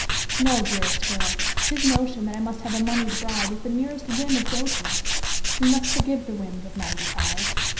No, dearest girl his notion that I must have a moneyed bride is the merest whim of dotage; we must forgive the whims of ninety five.